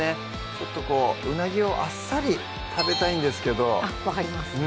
ちょっとこううなぎをあっさり食べたいんですけど分かります